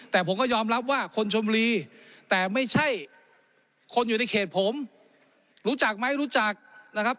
แต่ผมก็ยอมรับว่าคนชมรีแต่ไม่ใช่คนอยู่ในเขตผมรู้จักไหมรู้จักนะครับ